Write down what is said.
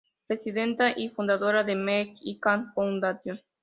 Presidenta y fundadora de Mex I Can Foundation.